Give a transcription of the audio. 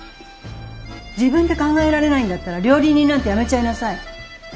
自分で考えられないんだったら料理人なんて辞めちゃいなさい。